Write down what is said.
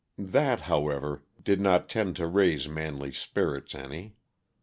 That, however, did not tend to raise Manley's spirits any.